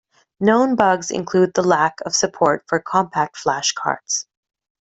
Known bugs include the lack of support for CompactFlash cards.